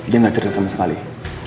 dia nggak cerita sama sekali